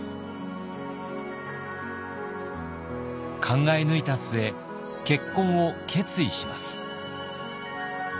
考え抜いた末結婚を決意します。